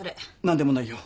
何でもないよ。